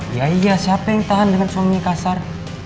iya iya siapa yang tahan dengan suami kasar